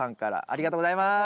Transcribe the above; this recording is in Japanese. ありがとうございます。